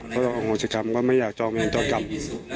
ก็โอโหสิกรรมก็ไม่อยากจองมีตัวกลับ